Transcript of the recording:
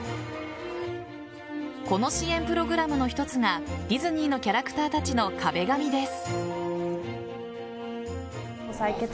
この支援プログラムの一つがディズニーのキャラクターたちの壁紙です。